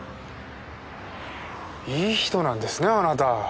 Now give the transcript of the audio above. いい人なんですねあなた。